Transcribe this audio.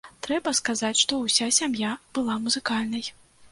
Трэба сказаць, што ўся сям'я была музыкальнай.